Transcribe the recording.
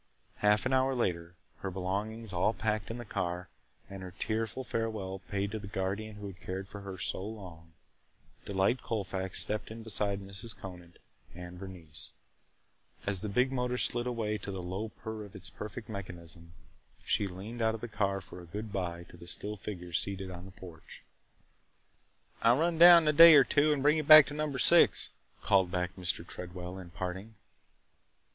Half an hour later, her belongings all packed in the car and her tearful farewell said to the guardian who had cared for her so long, Delight Colfax stepped in beside Mrs. Conant and Bernice. As the big motor slid away to the low purr of its perfect mechanism, she leaned out of the car for a good by to the still figure seated on the porch. "I 'll run down again in a day or two and bring you back to Number Six!" called back Mr. Tredwell in parting.